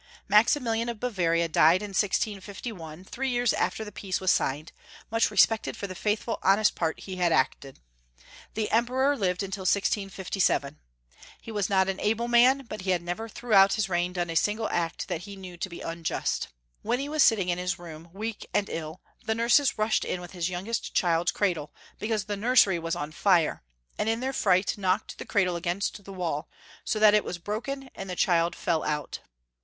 Maximilian of Bavaria died in 1651, three years after the peace was signed, much respected for the faithful, honest part he had acted. The Emperor lived till 1657. He was not an able man, but he had never throughout his reign done a single act that he knew to be un just. When he was sitting in his room, weak and ill, the nurses rushed in with his youngest child's cradle, because the nursery was on fire, and in their fright knocked the cradle against the wall, so that it was broken, and the cliild fell out.